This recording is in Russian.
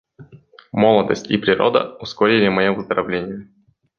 Молодость и природа ускорили мое выздоровление.